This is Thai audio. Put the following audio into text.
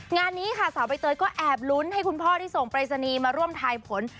งานนี้ค่ะสาวใบเตยก็แอบลุ้นให้คุณพ่อที่ส่งปรายศนีย์มาร่วมทายผล